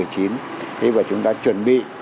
thế và chúng ta chuẩn bị